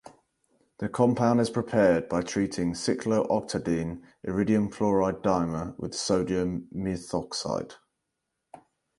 The compound is prepared by treating cyclooctadiene iridium chloride dimer with sodium methoxide.